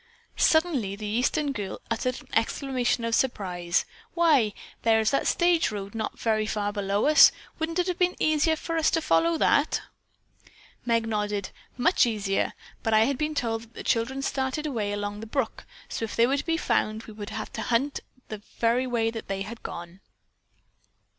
Suddenly the Eastern girl uttered an exclamation of surprise. "Why, there is the stage road not very far below us. Wouldn't it have been easier for us to follow that?" Meg nodded. "Much easier, but I had been told that the children started away along the brook, so if they were to be found we would have to hunt in the way they had gone."